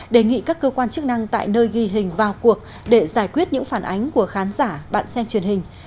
đề nghị các cơ quan chức năng tại nơi ghi hình vào cuộc để giải quyết những phản ánh của khán giả bạn xem truyền hình